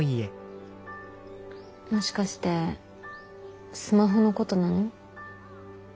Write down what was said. もしかしてスマホのことなの？